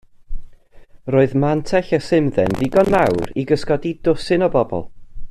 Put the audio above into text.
Yr oedd mantell y simdde'n ddigon mawr i gysgodi dwsin o bobl.